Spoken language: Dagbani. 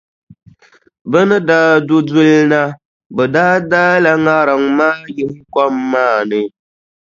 Bɛ ni daa du duli na, bɛ daa daala ŋariŋ maa yihi kom maa ni.